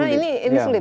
karena ini sulit